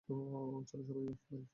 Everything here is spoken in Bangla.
চলো ভাই সবাই!